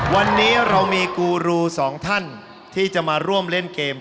วันนี้เรามีกูรูสองท่านที่จะมาร่วมเล่นเกม